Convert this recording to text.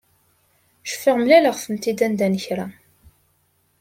Cfiɣ mlaleɣ-tent-id anda n kra.